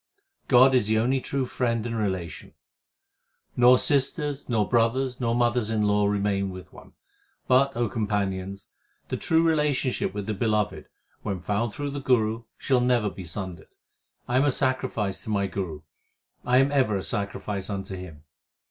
God is the only true friend and relation : Nor sisters, nor brothers, nor mothers in law remain with one : But, O companions, the true relationship with the Beloved, when found through the Guru, shall never be sundered. I am a sacrifice to my Guru, I am ever a sacrifice unto him.